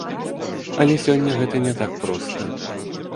Але сёння гэта не так проста.